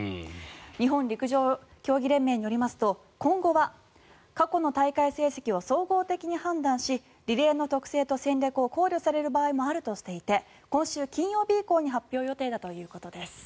日本陸上連盟によりますと今後は過去の大会成績を総合的に判断しリレーの特性と戦略を考慮される場合もあるとしていて今週金曜日以降に発表予定だということです。